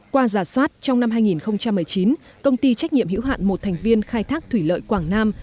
qua giả soát trong năm hai nghìn một mươi chín công ty trách nhiệm hữu hạn một thành viên khai thác thủy lợi quảng nam